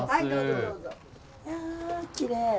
いやきれい！